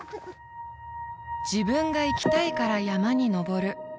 「自分が行きたいから山に登る」